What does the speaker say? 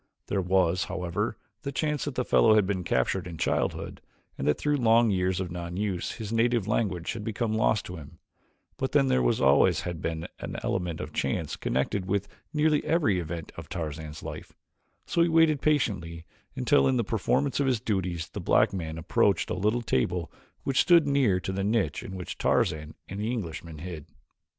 There was, however, the chance that the fellow had been captured in childhood and that through long years of non use his native language had become lost to him, but then there always had been an element of chance connected with nearly every event of Tarzan's life, so he waited patiently until in the performance of his duties the black man approached a little table which stood near the niche in which Tarzan and the Englishman hid.